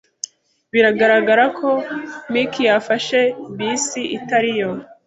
Biragaragara ko Mike yafashe bisi itari yo.